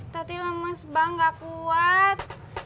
tati lemes bang gak kuat